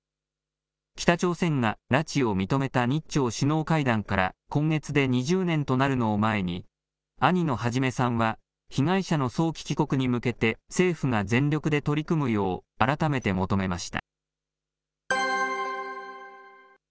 北朝鮮が拉致を認めた日朝首脳会談から今月で２０年となるのを前に、兄の孟さんは被害者の早期帰国に向けて、政府が全力で取り組むよう改めて求めました。